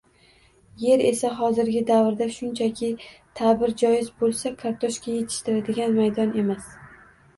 Yer esa hozirgi davrda shunchaki, ta’bir joiz bo‘lsa, kartoshka yetishtiradigan maydon emas